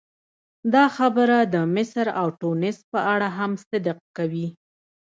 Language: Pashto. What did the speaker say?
دا خبره د مصر او ټونس په اړه هم صدق کوي.